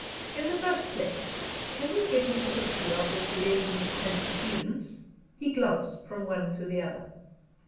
"In the first place, can you give me the history of this lady's antecedents?" He glanced from one to the other.